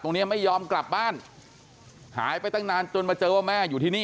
เนี้ยไม่ยอมกลับบ้านหายไปตั้งนานจนมาเจอว่าแม่อยู่ที่นี่